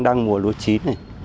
rượu lúa chín này